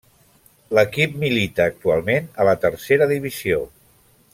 L'equip milita actualment a la Tercera Divisió.